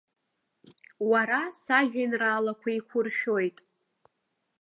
Уара сажәеинраалақәа еиқәуршәоит.